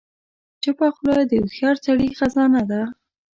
چپه خوله، د هوښیار سړي خزانه ده.